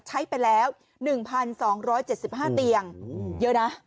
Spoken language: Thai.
ใช้ไปแล้ว๑๒๗๕เตียงเยอะนะ